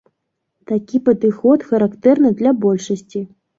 Такі падыход характэрны для большасці.